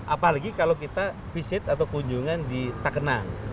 apalagi kalau kita visit atau kunjungan di takenang